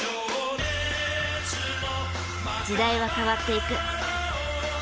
時代は変わっていく。